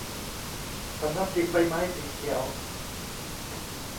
สำนักพิมพ์ใบไม้สีเขียว